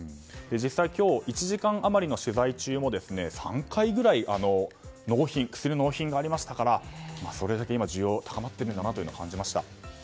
実際今日、１時間余りの取材中３回ぐらい薬の納品がありましたからそれだけ今、需要が高まっていると感じました。